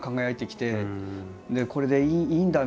これでいいんだ！